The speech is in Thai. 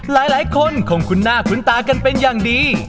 หลายคนคงคุ้นหน้าคุ้นตากันเป็นอย่างดี